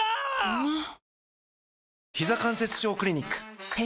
うまっ！！